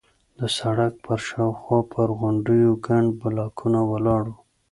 د سړک پر شاوخوا پر غونډیو ګڼ بلاکونه ولاړ وو.